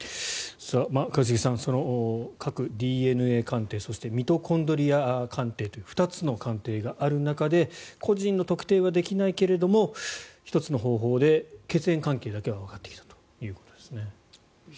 一茂さん核ＤＮＡ鑑定そしてミトコンドリア鑑定という２つの鑑定がある中で個人の特定はできないけれども１つの方法で血縁関係だけはわかってきたということですね。